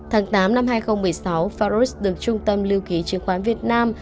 tháng tám năm hai nghìn một mươi sáu faros được trung tâm lưu ký chứng khoán việt nam